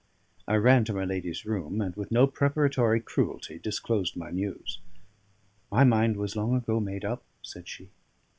I ran to my lady's room, and with no preparatory cruelty disclosed my news. "My mind was long ago made up," said she.